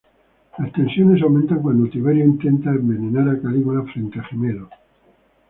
Las tensiones aumentan cuando Tiberio intenta envenenar a Calígula frente a Gemelo.